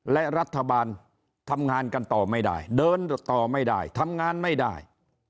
และรัฐบาลทำงานกันต่อไม่ได้เดินต่อไม่ได้ทำงานไม่ได้